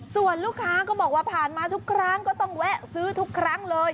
ส่วนลูกค้าก็บอกว่าผ่านมาทุกครั้งก็ต้องแวะซื้อทุกครั้งเลย